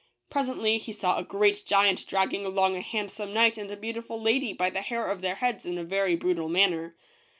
Presently he saw a great giant dragging along a handsome knight and a beautiful lady by the hair of their heads in a very brutal manner.